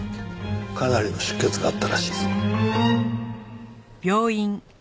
かなりの出血があったらしいぞ。